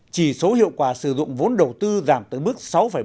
chỉ số hiệu quả sử dụng vốn đầu tư giảm tới mức sáu bốn mươi hai